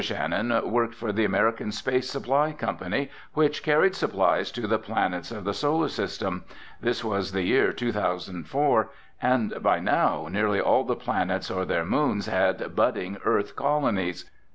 Shannon worked for the American Space Supply Company which carried supplies to the planets of the Solar System. This was the year 2004 and by now nearly all the planets or their moons had budding Earth colonies.